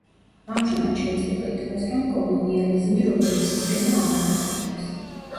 ამჟამად შეიძლება ითქვას, რომ კოლონიალიზმი როგორც სისტემა აღარ არსებობს.